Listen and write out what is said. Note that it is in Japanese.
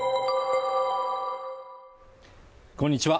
こんにちは